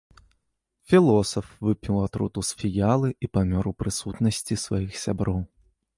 Філосаф выпіў атруту з фіялы і памёр у прысутнасці сваіх сяброў.